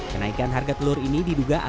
kenaikan harga telur ini diduga